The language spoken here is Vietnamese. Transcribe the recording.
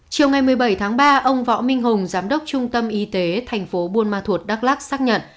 chiều ngày một mươi bảy tháng ba ông võ minh hùng giám đốc trung tâm y tế thành phố buôn ma thuột đắk lắc xác nhận